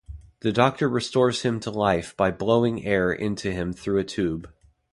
The doctor restores him to life by blowing air into him through a tube.